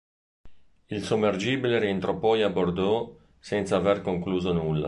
Il sommergibile rientrò poi a Bordeaux senza aver concluso nulla.